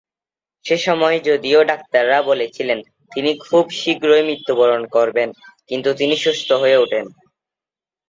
সেমময় যদিও ডাক্তাররা বলেছিলেন তিনি খুব শীঘ্রই মৃত্যুবরণ করবেন কিন্তু তিনি সুস্থ হয়ে উঠেন।